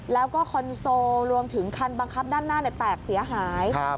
แล้วก็คอนโซลรวมถึงคันบังคับด้านหน้าแตกเสียหาย